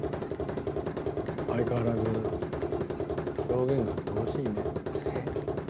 相変わらず表現が乏しいね。え？